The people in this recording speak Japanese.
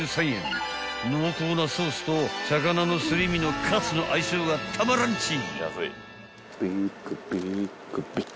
［濃厚なソースと魚のすり身のカツの相性がたまらんち！］